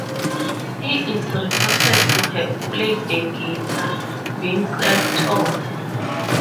He is reported to have played the guitar, being self-taught.